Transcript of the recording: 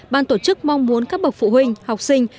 ban tổ chức mong muốn các bậc phụ huynh học sinh